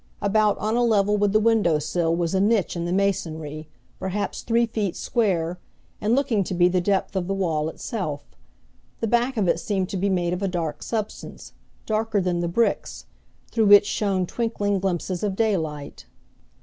About on a level with the window sill was a niche in the masonry, perhaps three feet square, and looking to be the depth of the wall itself. The back of it seemed to be made of a dark substance darker than the bricks through which shone twinkling glimpses of daylight.